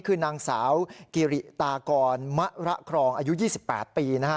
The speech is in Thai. คือนางสาวกิริตากรมะระครองอายุ๒๘ปีนะฮะ